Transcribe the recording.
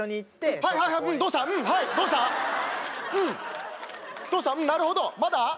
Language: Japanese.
うんなるほどまだ？